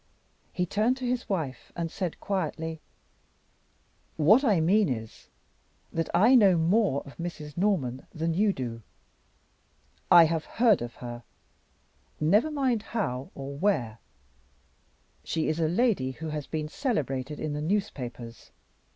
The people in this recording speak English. He turned to his wife, and said, quietly: "What I mean is, that I know more of Mrs. Norman than you do. I have heard of her never mind how or where. She is a lady who has been celebrated in the newspapers.